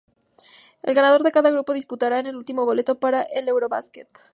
El ganador de cada grupo disputará en último boleto para el Eurobasket.